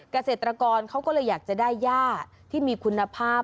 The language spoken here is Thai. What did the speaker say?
เกษตรกรเขาก็เลยอยากจะได้ย่าที่มีคุณภาพ